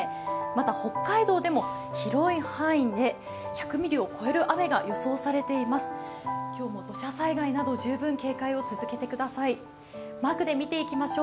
また北海道でも広い範囲で１００ミリを超える雨が予想されています。